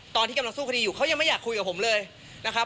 ตอนที่กำลังสู้คดีอยู่เขายังไม่อยากคุยกับผมเลยนะครับ